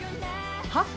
「はっ？」